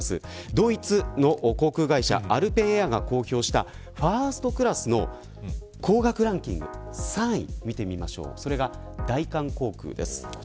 ドイツの航空会社アルペン・エアが公表したファーストクラスの高額ランキング３位を見ていきます。